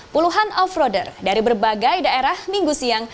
puluhan off roader dari berbagai daerah minggu siang